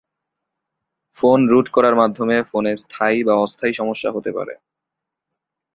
Phone root করার মাধ্যমে ফোনে স্থায়ী বা অস্থায়ী সমস্যা হতে পারে।